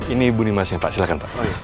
ini ibu nimasnya pak silahkan pak